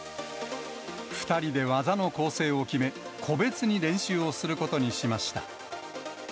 ２人で技の構成を決め、個別に練習をすることにしました。